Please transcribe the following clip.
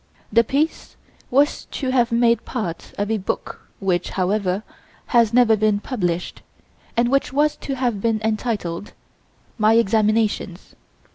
The piece was to have made part of a book which, however, has never been published, and which was to have been entitled: "My Examinations."